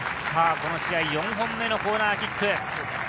この試合、４本目のコーナーキック。